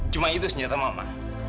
cuma itu senjata mama